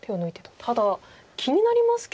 ただ気になりますけどね。